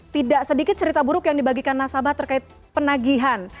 tidak sedikit cerita buruk yang dibagikan nasabah terkait penagihan